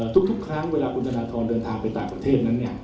ทุกครั้งเวลาคุณธนทรเดินทางไปต่างประเทศนั้น